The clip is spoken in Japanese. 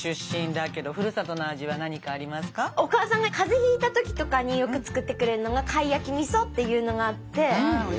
お母さんがカゼひいたときとかによく作ってくれるのが「貝焼き味」っていうのがあって。